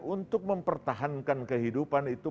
untuk mempertahankan kehidupan itu